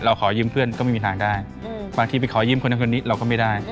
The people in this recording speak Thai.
ขอยืมเพื่อนก็ไม่มีทางได้บางทีไปขอยืมคนนั้นคนนี้เราก็ไม่ได้